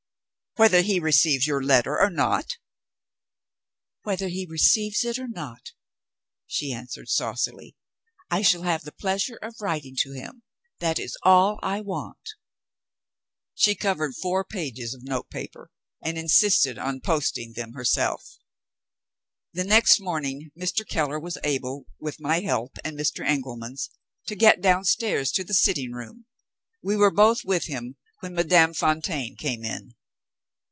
whether he receives your letter or not?" "Whether he receives it or not," she answered saucily, "I shall have the pleasure of writing to him that is all I want." She covered four pages of note paper, and insisted on posting them herself. The next morning Mr. Keller was able, with my help and Mr. Engelman's, to get downstairs to the sitting room. We were both with him, when Madame Fontaine came in.